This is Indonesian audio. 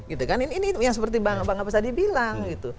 ini seperti bang abbas tadi bilang